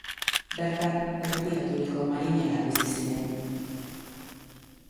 Bertan erretiraturiko marinelak bizi ziren.